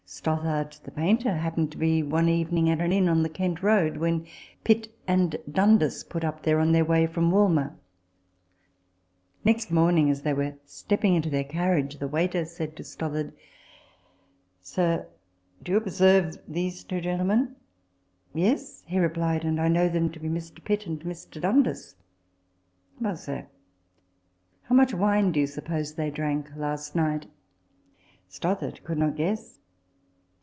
Stothard the painter happened to be one evening at an inn on the Kent Road, when Pitt and Dundas put up there on their way from Walmer. Next morning, as they were stepping into their carriage, the waiter said to Stothard, " Sir, do you observe these two gentlemen ?"" Yes," he replied ;" and I know them to be Mr. Pitt and Mr. Dundas." " Well, sir, how much wine do you suppose they drank last night ?" Stothard could not guess.